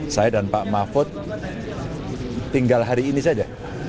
saya dan pak mahfud tinggal hari ini saja